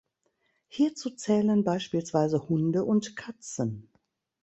Hierzu zählen beispielsweise Hunde und Katzen.